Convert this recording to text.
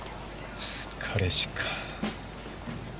彼氏かあ。